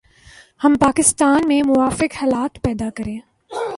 ہم پاکستان میں موافق حالات پیدا کریں